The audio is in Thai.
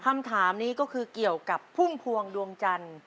คำถามนี้ก็คือเกี่ยวกับพุ่มพวงดวงจันทร์